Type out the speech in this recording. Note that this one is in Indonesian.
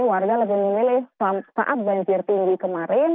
warga lebih memilih saat banjir tinggi kemarin